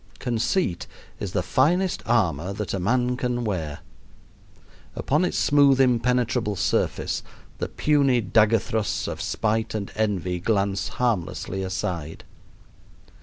Conceit is the finest armor that a man can wear. Upon its smooth, impenetrable surface the puny dagger thrusts of spite and envy glance harmlessly aside.